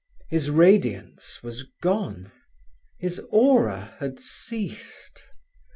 His radiance was gone, his aura had ceased.